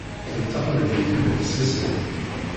D taqbaylit i d lsas-im.